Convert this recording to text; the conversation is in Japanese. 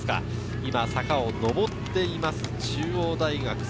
今、坂を上っています、中央大学。